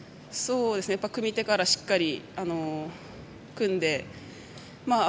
組み手からしっかり組んで。